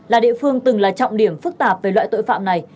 là địa phương từng là trọng điểm phức tạp về loại tội phạm này